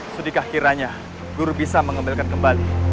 sedikah kiranya guru bisa mengembalikan kembali